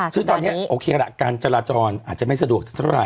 ซึ่งตอนนี้โอเคละการจราจรอาจจะไม่สะดวกเท่าไห